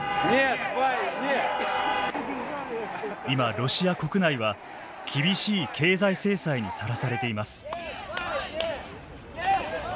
今ロシア国内は厳しい経済制裁にさらされています。